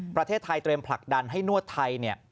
ประเทศไทยเตรียมผลักดันให้นวดไทย